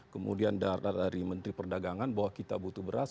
kemudian data dari menteri perdagangan bahwa kita butuh beras